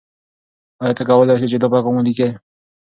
آیا ته کولای سې چې دا پیغام ولیکې؟